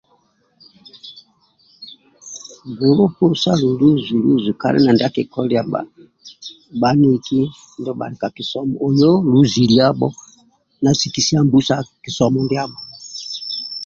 Gulupu sa luzu luzu kali na ndia akikolilia bba bhaniki ndibha bhali ka kisomo oiyo luziliabho sikisia mbusa kisomo ndiabho